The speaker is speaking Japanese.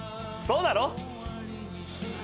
そうだろ？